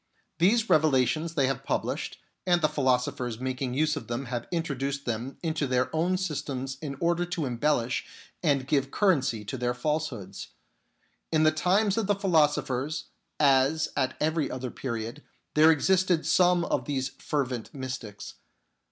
These revelations they have published, and the philo sophers making use of them have introduced them into their own systems in order to embellish and give currency to their falsehoods. In the times of the philosophers, as at every other period, there existed some of these fervent mystics.